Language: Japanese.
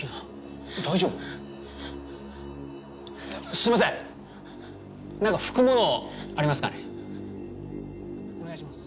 すいません何か拭くものありますかねお願いします